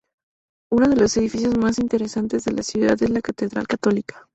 Uno de los edificios más interesantes de la ciudad es la catedral católica.